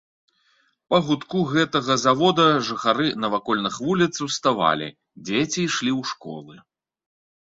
Па гудку гэтага завода жыхары навакольных вуліц уставалі, дзеці ішлі ў школы.